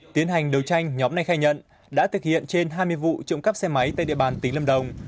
tiến hành đấu tranh nhóm này khai nhận đã thực hiện trên hai mươi vụ trộm cắp xe máy tại địa bàn tỉnh lâm đồng